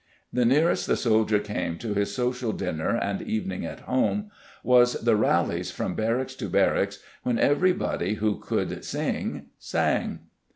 The nearest the soldier came to his social dinner and evening at home was the rallies from barracks to barracks when every body who could sing sang.